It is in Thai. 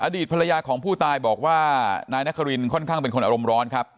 อดีตภรรยาของผู้ตายบอกว่านายนครินค่อนข้างเป็นคนอารมณ์ร้อนครับ